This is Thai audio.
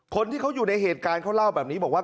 คนที่เขาอยู่ในเหตุการณ์เขาเล่าแบบนี้บอกว่า